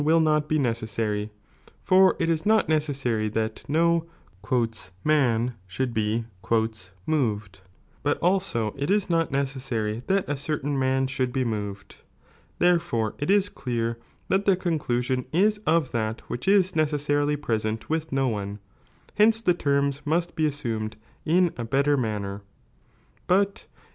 will not be necessary, for it is not necessary that no "man" should be "moved," but also it is not necessary that a certain man should be moved ; therefore it is clear that the conclu sion is of that which is necessarily present with no one, hence the terms must be assumed in a better manner J But if the 3.